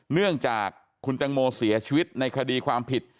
เนื่องจากคุณตังโมเสียชีวิตในคดีความผิด